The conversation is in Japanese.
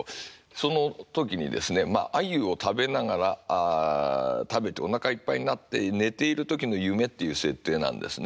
その時にですね鮎を食べながら食べておなかいっぱいになって寝ている時の夢っていう設定なんですね。